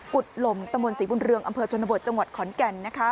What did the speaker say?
ุดหลมตะมนต์ศรีบุญเรืองอำเภอชนบทจังหวัดขอนแก่น